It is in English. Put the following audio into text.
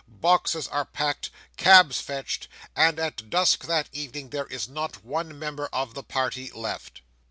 Boxes are packed, cabs fetched, and at dusk that evening there is not one member of the party left.